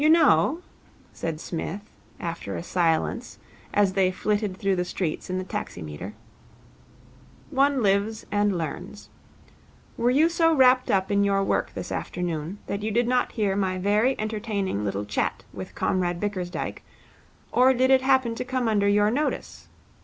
'You know,' said Psmith, after a silence, as they flitted through the streets in the taximeter, 'one lives and learns. Were you so wrapped up in your work this afternoon that you did not hear my very entertaining little chat with Comrade Bickersdyke, or did it happen to come under your notice?